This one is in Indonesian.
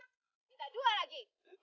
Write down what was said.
kita dua lagi